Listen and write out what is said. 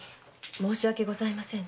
申し訳ございません。